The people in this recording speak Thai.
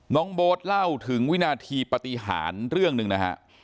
น้องโบ๊ทเล่าถึงวินาทีปฏิหารเรื่องหนึ่งนะฮะ